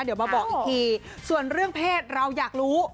เดี๋ยวมาบอกอีกทีส่วนเรื่องเพศเราอยากรู้